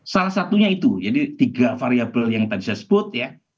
salah satunya itu jadi tiga variable yang tadi saya sebut ya